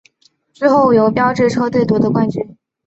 最后由标致车队夺得冠军。